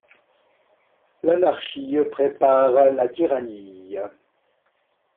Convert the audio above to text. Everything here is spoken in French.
L'anarchie prépare la tyrannie.